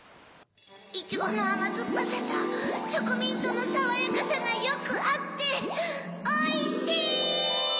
いちごのあまずっぱさとチョコミントのさわやかさがよくあっておいしい！